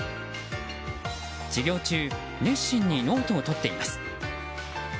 授業中熱心にノートをとっています。